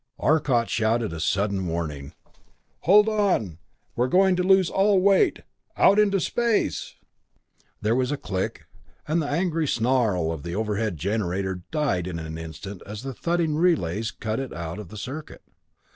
Arcot shouted a sudden warning: "Hold on we're going to lose all weight out into space!" There was a click, and the angry snarl of the overworked generator died in an instant as the thudding relays cut it out of the circuit.